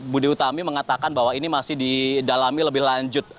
budi utami mengatakan bahwa ini masih didalami lebih lanjut